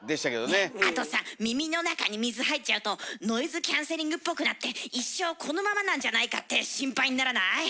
あとさ耳の中に水入っちゃうとノイズキャンセリングっぽくなって一生このままなんじゃないかって心配にならない？